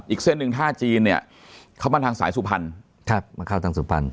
อีกเส้นหนึ่งท่าจีนเข้ามาทางสายสุพรรณ